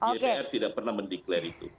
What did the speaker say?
dpr tidak pernah mendeklarasi itu